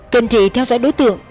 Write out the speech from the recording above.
kiên trị theo dõi đối tượng